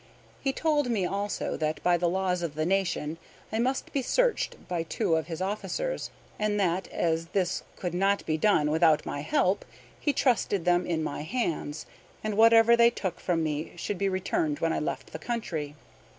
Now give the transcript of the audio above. He told me also that by the laws of the nation I must be searched by two of his officers, and that as this could not be done without my help, he trusted them in my hands, and whatever they took from me should be returned when I left the country.